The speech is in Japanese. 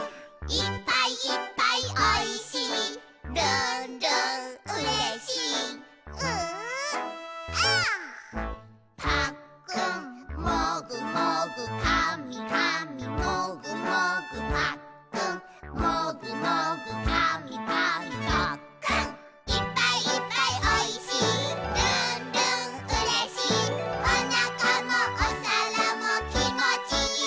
「いっぱいいっぱいおいしいるんるんうれしい」「おなかもおさらもきもちいい」